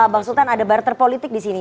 bang sultan ada barter politik di sini